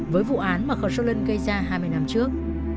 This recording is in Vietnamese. với vụ án mà khởi sô lân gây ra hai mươi năm trước